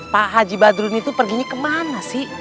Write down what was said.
pak haji badrun itu perginya kemana sih